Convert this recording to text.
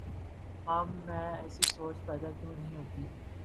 ہم میں ایسی سوچ پیدا کیوں نہیں ہوتی؟